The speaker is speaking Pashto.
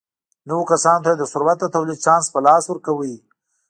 نویو کسانو ته یې د ثروت د تولید چانس په لاس ورکاوه.